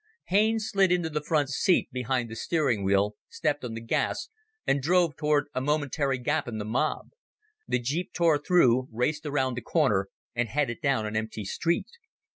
Haines slid into the front seat behind the steering wheel, stepped on the gas, and drove toward a momentary gap in the mob. The jeep tore through, raced around the corner, and headed down an empty street.